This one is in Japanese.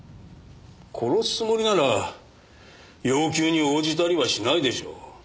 殺すつもりなら要求に応じたりはしないでしょう。